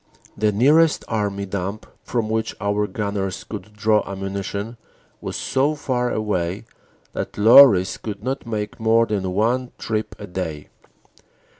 The nearest Army dump from which our gunners could draw ammunition was so far away that lorries could not make more than one trip a day.